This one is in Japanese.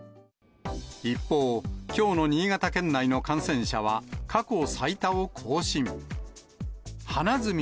一方、きょうの新潟県内の感染者は、過去最多を更新。